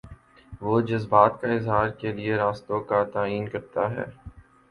وہ جذبات کے اظہار کے لیے راستوں کا تعین کرتا ہے۔